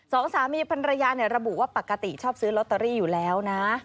สองสามีภรรยาระบุว่าปกติชอบซื้อลอตเตอรี่อยู่แล้วนะ